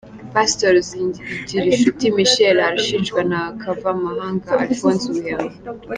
Pastor Zigirinshuti Michel arashinjwa na Kavamahanga Alphonse ubuhemu.